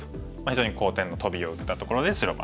非常に好点のトビを打ったところで白番ですね。